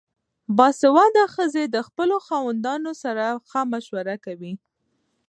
باسواده ښځې د خپلو خاوندانو سره ښه مشوره کوي.